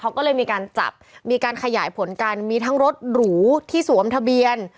เขาก็เลยมีการจับมีการขยายผลกันมีทั้งรถหรูที่สวมทะเบียน